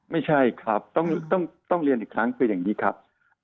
ไม่ใช่ครับต้องเรียนอีกครั้งคืออย่างนี้ครับ